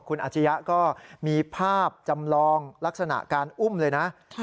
คุณอาชียะก็มีภาพจำลองลักษณะการอุ้มเลยนะ